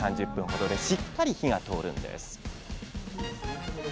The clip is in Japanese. ３０分ほどでしっかり火が通るんです。